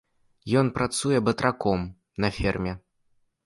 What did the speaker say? Ён працуе батраком на ферме.